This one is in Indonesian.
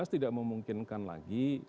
tidak memungkinkan lagi